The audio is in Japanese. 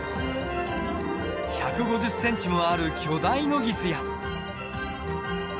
１５０ｃｍもある巨大ノギスや。